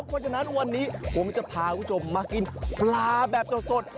เพราะฉะนั้นวันนี้ผมจะพาคุณผู้ชมมากินปลาแบบสด